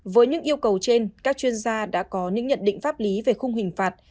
với những yêu cầu trên các chuyên gia đã có những nhận định pháp lý về khung hình phạt